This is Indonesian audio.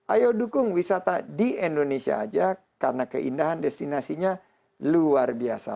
ayo dukung wisata di indonesia aja karena keindahan destinasinya luar biasa